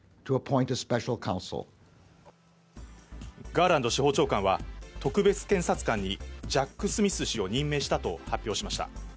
ガーランド司法長官は、特別検察官にジャック・スミス氏を任命したと発表しました。